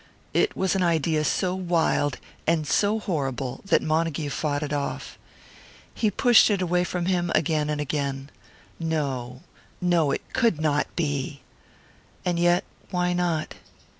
It was an idea so wild and so horrible that Montague fought it off. He pushed it away from him, again and again. No, no, it could not be! And yet, why not?